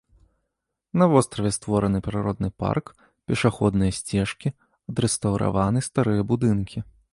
На востраве створаны прыродны парк, пешаходныя сцежкі, адрэстаўраваны старыя будынкі.